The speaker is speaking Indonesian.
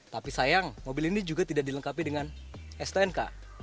tapi sayang mobil ini juga tidak dilengkapi dengan stnk